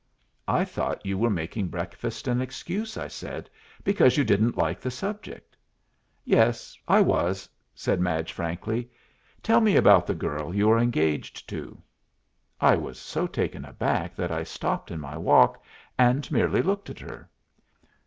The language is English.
"I thought you were making breakfast an excuse," I said, "because you didn't like the subject." "Yes, I was," said Madge, frankly. "Tell me about the girl you are engaged to." I was so taken aback that I stopped in my walk, and merely looked at her.